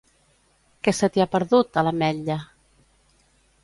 Què se t'hi ha perdut, a L'Atmetlla?